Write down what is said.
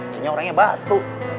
hanya orangnya batu